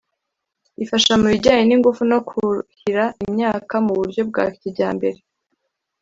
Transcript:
ifasha mu bijyanye n’ingufu no kuhira imyaka mu buryo bwa kijyambere